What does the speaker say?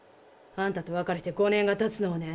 あんたと別れて５年がたつのをね。